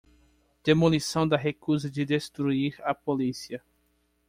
Demolição da recusa de destruir a polícia